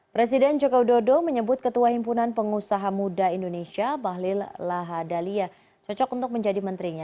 presiden jokowi dodo menyebut ketua himpunan pengusaha muda indonesia bahlil lahadalia cocok untuk menjadi menterinya